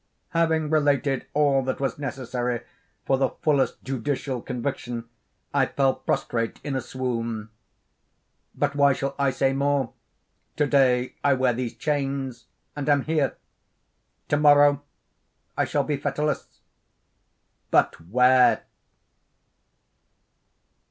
Having related all that was necessary for the fullest judicial conviction, I fell prostrate in a swoon. But why shall I say more? To day I wear these chains, and am here! To morrow I shall be fetterless!—_but where?